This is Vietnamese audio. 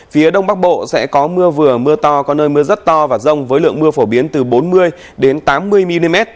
phía đông bắc bộ sẽ có mưa vừa mưa to có nơi mưa rất to và rông với lượng mưa phổ biến từ bốn mươi tám mươi mm